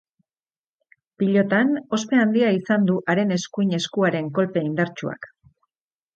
Pilotan, ospe handia izan du haren eskuin eskuaren kolpe indartsuak.